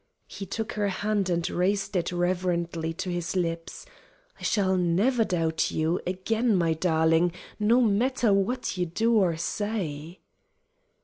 He took her hand and raised it reverently to his lips. "I shall never doubt you again, my darling, no matter what you do or say."